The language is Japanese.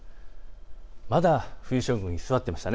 まだ冬将軍、居座っていましたね。